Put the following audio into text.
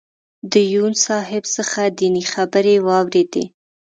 د یون صاحب څخه دینی خبرې واورېدې.